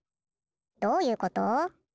どういうこと？